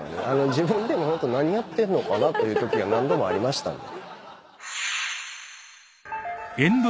自分でも何やってんのかなというときが何度もありましたんで。